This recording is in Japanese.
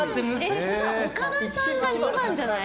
岡田さんが２番じゃない？